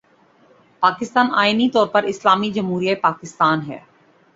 پاکستان آئینی طور پر 'اسلامی جمہوریہ پاکستان‘ ہے۔